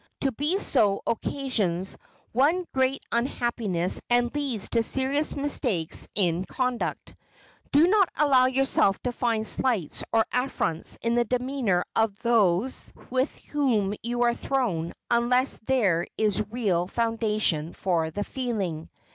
To be so occasions one great unhappiness and leads to serious mistakes in conduct. Do not allow yourself to find slights and affronts in the demeanor of those with whom you are thrown unless there is real foundation for the feeling.